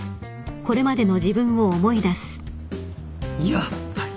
やっぱり。